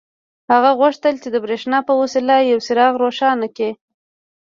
هغه غوښتل چې د برېښنا په وسیله یو څراغ روښانه کړي